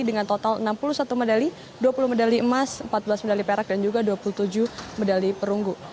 dengan total enam puluh satu medali dua puluh medali emas empat belas medali perak dan juga dua puluh tujuh medali perunggu